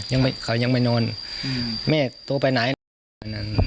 ยังไม่เขายังไม่นอนอืมแม่ตัวไปไหนนะ